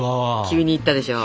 急にいったでしょ。